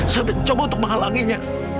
saya mencoba untuk menghalanginya